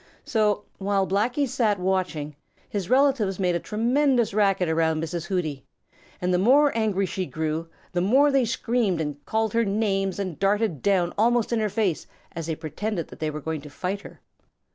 So, while Blacky sat watching, his relatives made a tremendous racket around Mrs. Hooty, and the more angry she grew, the more they screamed and called her names and darted down almost in her face, as they pretended that they were going to fight her.